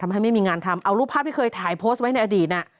ไม่มีงานทำเอารูปภาพที่เคยถ่ายโพสต์ไว้ในอดีตน่ะ